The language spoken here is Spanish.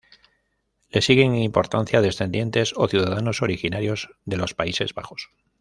Le siguen en importancia descendientes o ciudadanos originarios de los Países Bajos.